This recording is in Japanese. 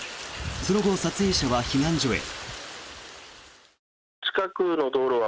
その後、撮影者は避難所へ。